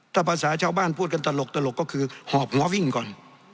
ถ้าภาษาชาวบ้านพูดกันตลกก็คือหอบหัววิ่งก่อน